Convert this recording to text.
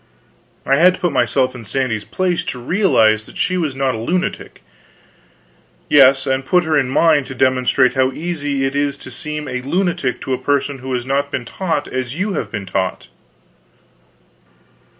I had to put myself in Sandy's place to realize that she was not a lunatic. Yes, and put her in mine, to demonstrate how easy it is to seem a lunatic to a person who has not been taught as you have been taught.